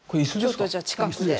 ちょっとじゃ近くで。